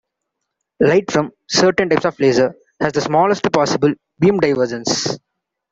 Light from certain types of laser has the smallest possible beam divergence.